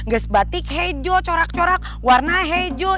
gak sebatik hijau corak corak warna hijau